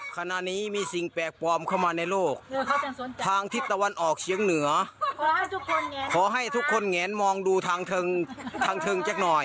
ขณะนี้มีสิ่งแปลกปลอมเข้ามาในโลกทางทิศตะวันออกเชียงเหนือขอให้ทุกคนแงนมองดูทางเทิงสักหน่อย